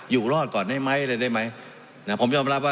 อยู่รอดก่อนได้ไหมอะไรได้ไหมนะผมยอมรับว่า